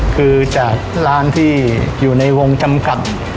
คือจากร้านที่อยู่ในวงจำกัด